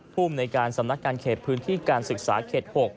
ภูมิในการสำนักการเขตพื้นที่การศึกษาเขต๖